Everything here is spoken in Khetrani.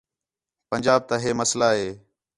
پنجاب تا ہِے مسئلہ ہِے